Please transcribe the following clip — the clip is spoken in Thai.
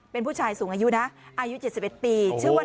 เป็นผู้ชายสูงอายุนะอายุเจ็ดสิบเอ็ดปีโอ้โห